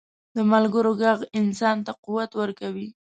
د ملګرو ږغ انسان ته قوت ورکوي.